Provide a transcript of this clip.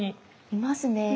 いますね！